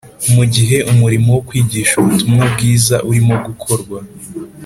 mu gihe umurimo wo kwigisha ubutumwa bwiza urimo gukorwa,